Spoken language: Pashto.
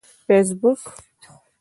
فیسبوک